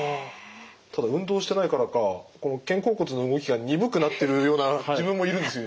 ただ運動してないからかこの肩甲骨の動きが鈍くなってるような自分もいるんですよ